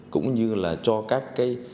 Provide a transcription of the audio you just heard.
cũng như cho các